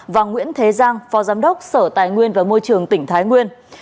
và nguyễn thế giang phó giám đốc sở tài nguyên và môi trường tỉnh thái nguyên